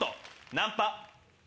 「ナンパ」。